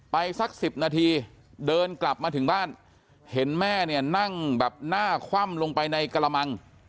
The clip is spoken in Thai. สัก๑๐นาทีเดินกลับมาถึงบ้านเห็นแม่เนี่ยนั่งแบบหน้าคว่ำลงไปในกระมัง